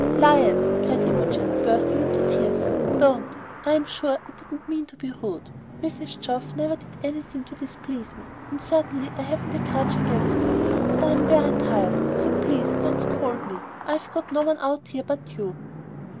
"Lion," cried Imogen, bursting into tears, "don't! I'm sure I didn't mean to be rude. Mrs. Geoff never did anything to displease me, and certainly I haven't a grudge against her. But I'm very tired, so please don't s c o ld me; I've got no one out here but you."